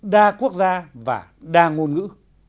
đa quốc gia và đa ngôn ngữ